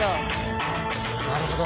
なるほど。